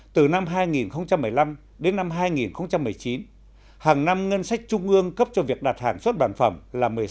từ năm hai nghìn một mươi năm đến năm hai nghìn một mươi chín hàng năm ngân sách trung ương cấp cho việc đặt hàng xuất bản phẩm là